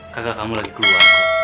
kakak kamu lagi keluar